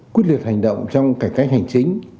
quyết liệt hành động trong cải cách hành chính